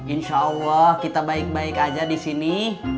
insya allah kita baik baik aja di sini